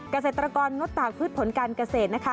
เกษตรกรงดตากพืชผลการเกษตรนะคะ